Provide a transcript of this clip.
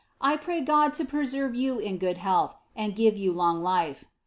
I pray God to preserve you in good health, anrl give yoo long lift.